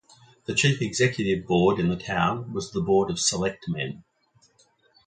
The chief executive board in the town was the Board of Selectmen.